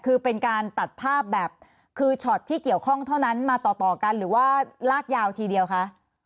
คือเป็นการตัดภาพแบบคือช็อตที่เกี่ยวข้องเท่านั้นมาต่อกันหรือว่าลากยาวทีเดียวคะ